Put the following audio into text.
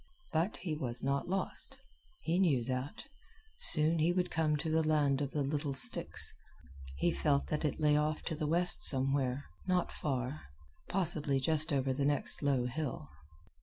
But he was not lost. He knew that. Soon he would come to the land of the little sticks. He felt that it lay off to the left somewhere, not far possibly just over the next low hill.